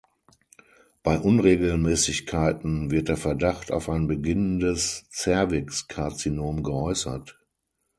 Bei Unregelmäßigkeiten wird der Verdacht auf ein beginnendes Zervixkarzinom geäußert.